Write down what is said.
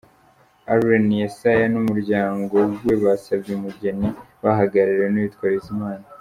Allen Yessayah n’umuryango we basabye umugeni bahagarariwe n’uwitwa Bizima.